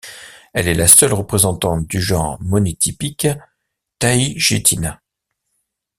Elle est la seule représentante du genre monotypique Taygetina.